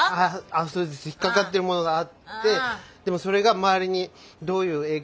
それで引っかかってるものがあってでもそれが周りにどういう影響。